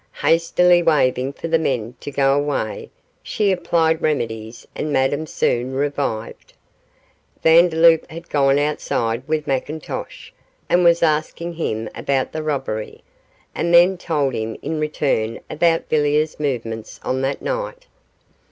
Hastily waving for the men to go away, she applied remedies, and Madame soon revived. Vandeloup had gone outside with McIntosh, and was asking him about the robbery, and then told him in return about Villiers' movements on that night.